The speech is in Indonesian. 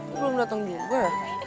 belum dateng juga ya